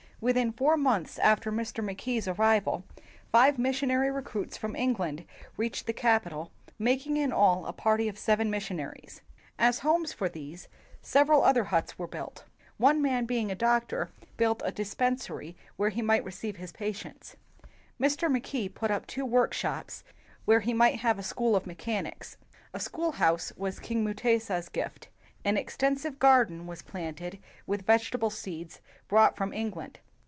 Within four months after Mr. Mackay 's ar rival, five missionary recruits from England reached the capital, making in all a party of seven missionaries. As homes for these several other huts were built. One man be ing a doctor, built a dispensary where he might receive his patients. Mr. Mackay put up two workshops where he might have a school of mechanics. A schoolhouse was king Mutesa 's gift. An extensive garden was planted with vegetable seeds brought from England.